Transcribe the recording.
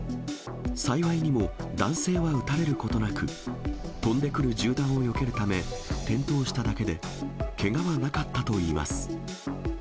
幸いにも、男性は撃たれることなく、飛んでくる銃弾をよけるため転倒しただけで、けがはなかったといいます。